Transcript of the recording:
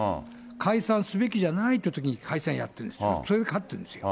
解散すべきじゃないってときに解散やってるんですよ、それで勝ってるんですよ。